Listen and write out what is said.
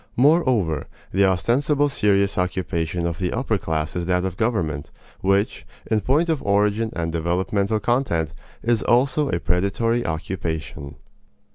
Moreover, the ostensible serious occupation of the upper class is that of government, which, in point of origin and developmental content, is also a predatory occupation.